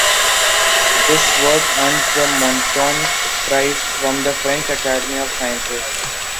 This work earns the Montyon Prize from the French Academy of Sciences.